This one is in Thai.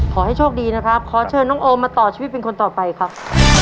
ขอให้โชคดีนะครับขอเชิญน้องโอมมาต่อชีวิตเป็นคนต่อไปครับ